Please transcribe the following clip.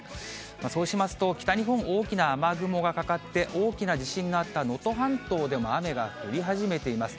そうしますと、北日本、大きな雨雲がかかって、大きな地震のあった能登半島でも雨が降り始めています。